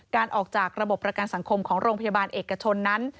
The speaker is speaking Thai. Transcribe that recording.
การออกจากระบบประกันสังคมของโรงพยาบาลเอกชนนั้น